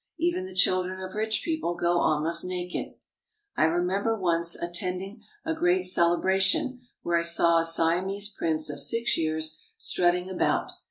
Even the children of rich people go almost naked. I remember once attending a great celebration where I saw a Siamese prince of six years strutting about.